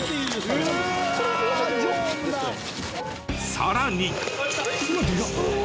さらに。